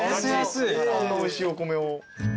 あんなおいしいお米を。